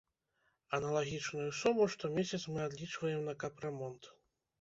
Аналагічную суму штомесяц мы адлічваем на капрамонт.